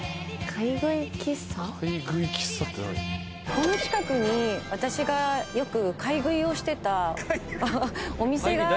この近くに私がよく買い食いをしてたお店があるから。